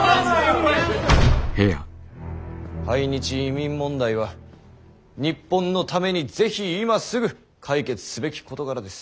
排日移民問題は日本のために是非今すぐ解決すべき事柄です。